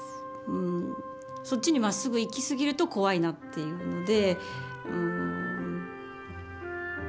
そっちにまっすぐいきすぎると怖いなっていうので。